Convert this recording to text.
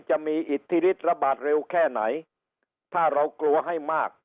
จะมีอิทธิฤทธิระบาดเร็วแค่ไหนถ้าเรากลัวให้มาก